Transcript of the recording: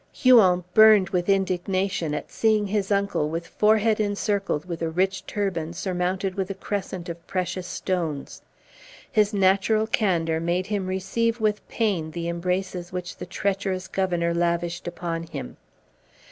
Huon burned with indignation at seeing his uncle with forehead encircled with a rich turban, surmounted with a crescent of precious stones. His natural candor made him receive with pain the embraces which the treacherous Governor lavished upon him.